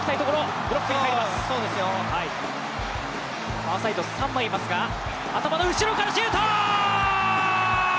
ファーサイド三枚いますが、頭の後ろからシュート！